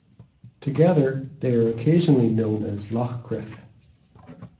Together, they are occasionally known as Loch Gryffe.